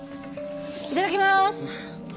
いただきまーす！